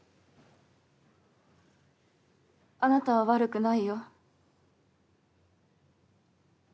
あなたは悪くないよ。